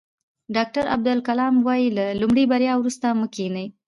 ډاکټر عبدالکلام وایي له لومړۍ بریا وروسته مه کینئ.